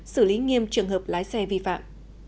xử lý nghiêm trường hợp lái xe vi phạm